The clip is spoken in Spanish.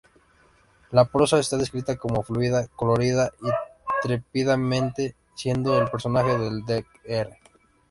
La prosa está descrita como "fluida", "colorida" y "trepidante"., siendo el personaje del Dr.